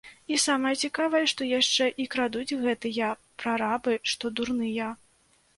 І самае цікавае, што яшчэ і крадуць гэтыя прарабы што дурныя.